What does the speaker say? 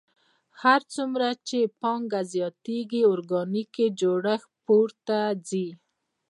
هر څومره چې پانګه زیاتېږي ارګانیکي جوړښت پورته ځي